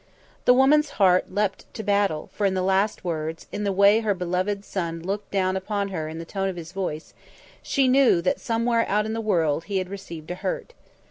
The woman's heart leapt to battle, for in the last words, in the way her beloved son looked down upon her in the tone of his voice, she knew that, somewhere out in the world, he had received a hurt.